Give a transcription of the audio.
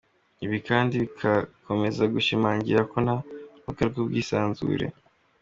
Ibi kandi birakomeza gushimangira ko nta rubuga rw’ubwisanzure